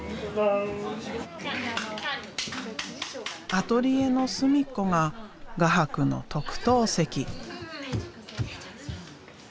アトリエの隅っこが画伯の特等席。